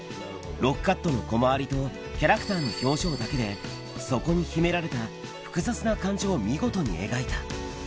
６カットのコマ割りと、キャラクターの表情だけで、そこに秘められた複雑な感情を見事に描いた。